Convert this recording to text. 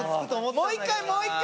もう１回もう１回。